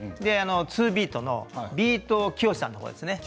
ツービートのビートきよしさんのほうですね。